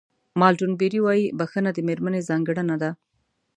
مالټون بېري وایي بښنه د مېرمنې ځانګړنه ده.